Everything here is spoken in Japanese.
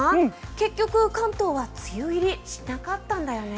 結局、関東は梅雨入りしなかったんだよね？